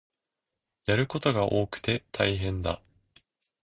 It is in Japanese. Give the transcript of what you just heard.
やることが多くて大変だ